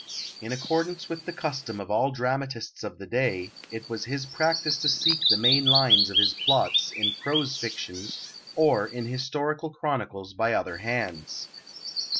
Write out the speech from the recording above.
In accordance with the custom of all dramatists of the day, it was his practice to seek the main lines of his plots in prose fictions, or in historical chronicles by other hands.